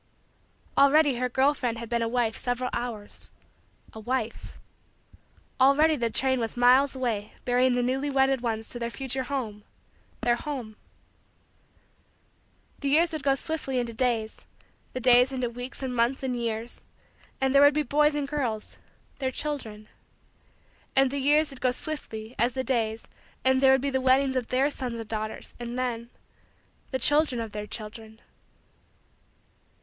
Already her girl friend had been a wife several hours a wife. Already the train was miles away bearing the newly wedded ones to their future home their home. The hours would go swiftly into days, the days into weeks and months and years, and there would be boys and girls their children. And the years would go swiftly as the days and there would be the weddings of their sons and daughters and then the children of their children.